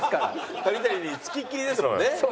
栗谷に付きっきりですもんね。